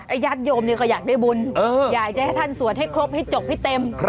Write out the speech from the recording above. ญาติโยมเนี่ยก็อยากได้บุญอยากจะให้ท่านสวดให้ครบให้จบให้เต็ม